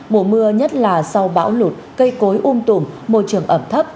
mùa mưa nhất là sau bão lụt cây cối um tùm môi trường ẩm thấp